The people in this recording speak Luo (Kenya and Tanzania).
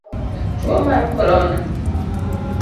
Tuo mar korona.